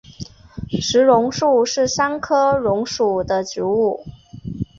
石榕树是桑科榕属的植物。